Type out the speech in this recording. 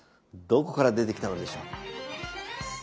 どこから出てきたのでしょう？